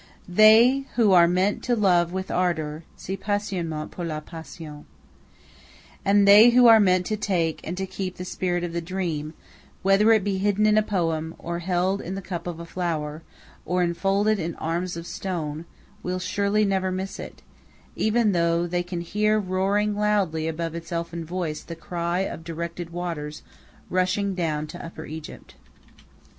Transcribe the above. They who are meant to love with ardor se passionnent pour la passion. And they who are meant to take and to keep the spirit of a dream, whether it be hidden in a poem, or held in the cup of a flower, or enfolded in arms of stone, will surely never miss it, even though they can hear roaring loudly above its elfin voice the cry of directed waters rushing down to Upper Egypt.